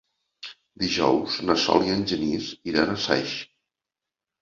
Dijous na Sol i en Genís iran a Saix.